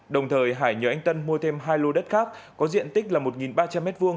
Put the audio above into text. đồng thời hải nhờ anh tân mua thêm hai lô đất khác có diện tích là một ba trăm linh m hai